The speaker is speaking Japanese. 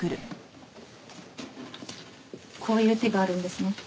こういう手があるんですね。